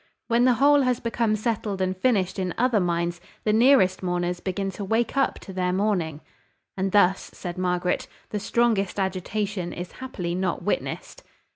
"When the whole has become settled and finished in other minds, the nearest mourners begin to wake up to their mourning." "And thus," said Margaret, "the strongest agitation is happily not witnessed."